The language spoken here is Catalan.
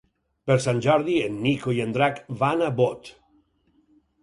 Per Sant Jordi en Nico i en Drac van a Bot.